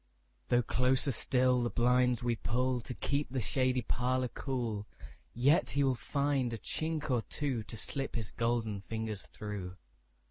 Though closer still the blinds we pullTo keep the shady parlour cool, Yet he will find a chink or twoTo slip his golden fingers through.